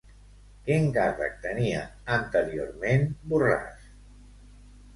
Quin càrrec tenia anteriorment Borràs?